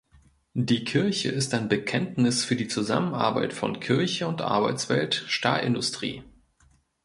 Die Kirche ist ein Bekenntnis für die Zusammenarbeit von Kirche und Arbeitswelt Stahlindustrie.